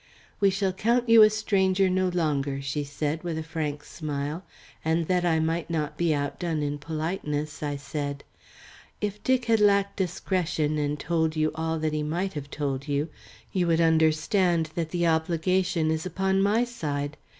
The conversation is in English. "We shall count you a stranger no longer," she said, with a frank smile, and that I might not be outdone in politeness, I said: "If Dick had lacked discretion and told you all that he might have told, you would understand that the obligation is upon my side.